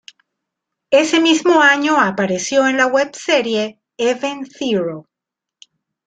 Ese mismo año apareció en la webserie "Event Zero".